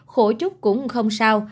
khổ chút cũng không sao